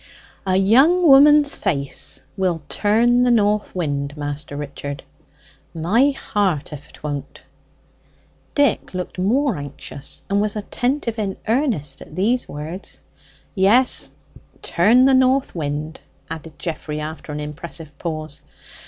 "A young woman's face will turn the north wind, Master Richard: my heart if 'twon't." Dick looked more anxious and was attentive in earnest at these words. "Yes; turn the north wind," added Geoffrey after an impressive pause.